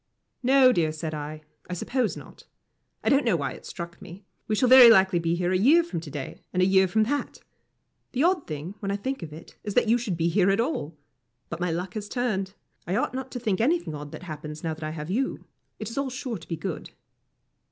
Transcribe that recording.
"No, dear," said I, "I suppose not. I don't know why it struck me. We shall very likely be here a year from to day, and a year from that. The odd thing, when I think of it, is that you should be here at all. But my luck has turned. I ought not to think anything odd that happens now that I have you. It is all sure to be good."